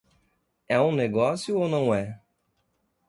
É um negócio ou não é?